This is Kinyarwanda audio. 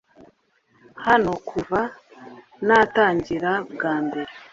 hano kuva natangira bwa mbere